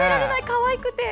かわいくて。